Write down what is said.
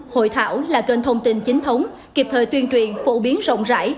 hội thảo là kênh thông tin chính thống kịp thời tuyên truyền phổ biến rộng rãi